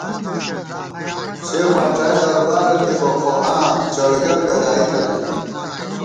سےفاڄائی دربارہ تھِبہ، خو آں چڑگر گدائی تھنَئیم